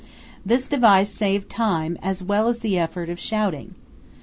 This device saved time, as well as the effort of shouting.